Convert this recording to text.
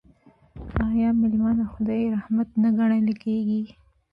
آیا میلمه د خدای رحمت نه ګڼل کیږي؟